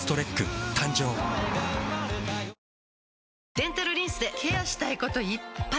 デンタルリンスでケアしたいこといっぱい！